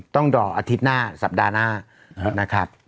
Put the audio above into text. ต้องรออาทิตย์หน้าสัปดาห์หน้านะครับ